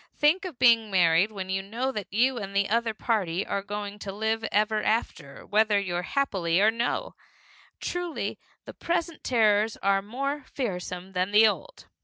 Think of being married when you know that you and the other party are going to live ever after whether happily or no! Truly, the present terrors are more fearsome than the old!